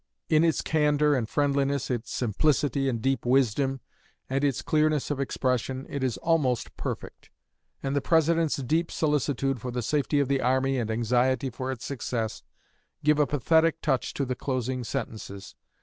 In its candor and friendliness, its simplicity and deep wisdom, and its clearness of expression, it is almost perfect; and the President's deep solicitude for the safety of the army and anxiety for its success give a pathetic touch to the closing sentences.